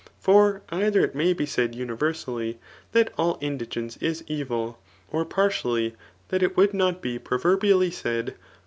For ^dier it may be said universally, tteit all indigence ' is evil $ or partially that it would not be proverinally said.